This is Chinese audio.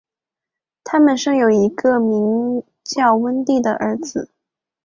他们生有一个名叫温蒂的儿子。